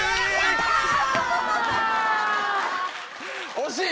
惜しい！